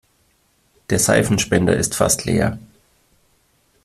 Der Seifenspender ist fast leer.